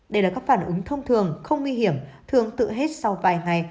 đây là các phản ứng thông thường không nguy hiểm thường tự hết sau vài ngày